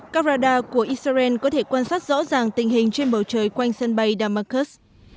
các radar của israel có thể quan sát rõ ràng tình hình trên bầu trời quanh sân bay damascus